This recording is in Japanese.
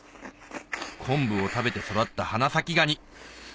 昆布を食べて育った花咲ガニ